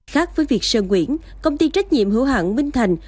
khác với việc sơn nguyễn công ty trách nhiệm hữu hạng minh thành